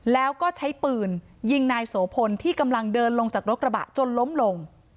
แล้วก็ใช้ปืนยิงนายโสพลที่กำลังเดินลงจากรถกระบะจนล้มลง